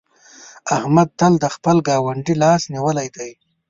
احمد تل د خپل ګاونډي لاس نيولی دی.